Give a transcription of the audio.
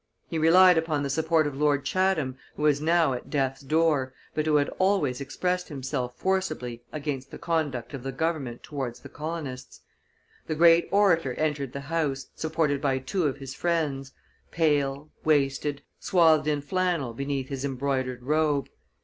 He relied upon the support of Lord Chatham, who was now at death's door, but who had always expressed himself forcibly against the conduct of the government towards the colonists. The great orator entered the House, supported by two of his friends, pale, wasted, swathed in flannel beneath his embroidered robe.